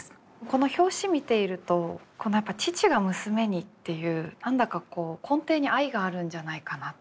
この表紙見ているとやっぱ「父が娘に」っていう何だか根底に愛があるんじゃないかなと。